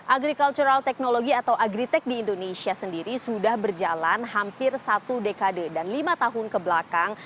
agricultural technology atau agritech di indonesia sendiri sudah berjalan hampir satu dekade dan lima tahun kebelakang